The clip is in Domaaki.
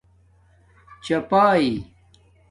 چپائ